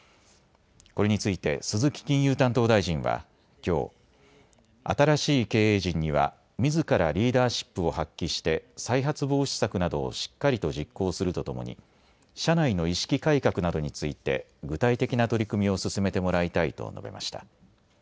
これについて鈴木金融担当大臣はきょう、新しい経営陣にはみずからリーダーシップを発揮して再発防止策などをしっかりと実行するとともに社内の意識改革などについて具体的な取り組みを進めてもらいたいと述べました。